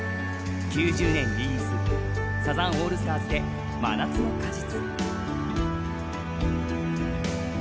９０年リリースサザンオールスターズで「真夏の果実」。